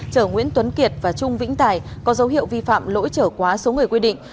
chở nguyễn tuấn kiệt và trung vĩnh tài có dấu hiệu vi phạm lỗi chở quá số người quy định